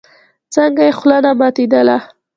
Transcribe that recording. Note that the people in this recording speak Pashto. څنگه يې خوله نه ماتېدله.